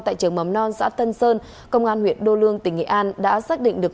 tại trường mầm non xã tân sơn công an huyện đô lương tỉnh nghệ an đã xác định được